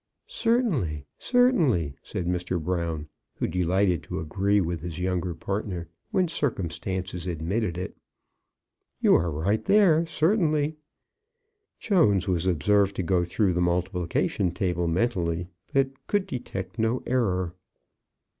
"Certainly, certainly," said Mr. Brown, who delighted to agree with his younger partner when circumstances admitted it. "You are right there, certainly." Jones was observed to go through the multiplication table mentally, but he could detect no error.